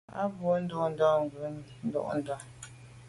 A bwô ndù ndà ghù ntôndà.